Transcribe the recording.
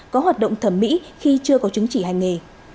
có hoạt động thẩm mỹ khi chưa có chứng chỉ hành nghề